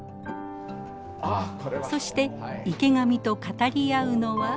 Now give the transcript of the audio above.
そして池上と語り合うのは。